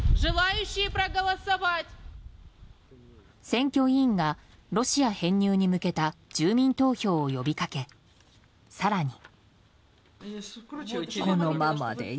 選挙委員がロシア編入に向けた住民投票を呼びかけ、更に。